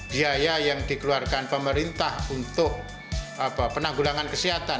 biaya yang dikeluarkan pemerintah untuk penanggulangan kesehatan